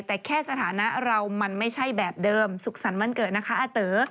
แต่แค่สถานะเรามันไม่ใช่แบบเดิมสุขสรรค์วันเกิดนะคะอาเต๋อ